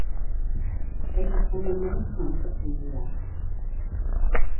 They perform in many concerts a year.